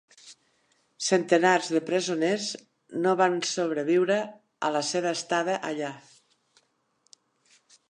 Centenars de presoners no van sobreviure a la seva estada allà.